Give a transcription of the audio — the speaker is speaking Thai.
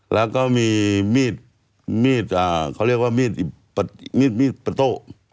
แล้วก็มีมีดเขาเรียกว่ามีดประตู